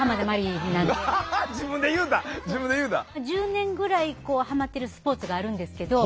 １０年ぐらいハマってるスポーツがあるんですけど。